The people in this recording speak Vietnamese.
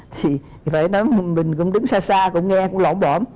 thì phải nói mình cũng đứng xa xa cũng nghe cũng lỏng bỏm